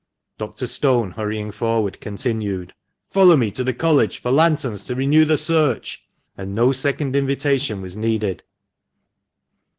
Dr. Stone, hurrying forward, continued —" Follow me to the College for lanterns to renew the search/' And no second invitation was needed.